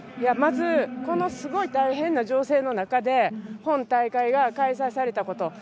まずこのすごい情勢の中で本大会が開催されたこと。